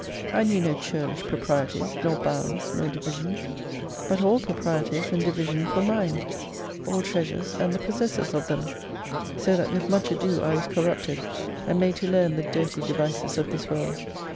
I knew no churlish proprieties, nor bounds, nor divi sions : butallproprieties*anddivisions were mine : all treasures and the possessors of them. So that with much ado I was corrupted, and made to leara the dirty devices of this world.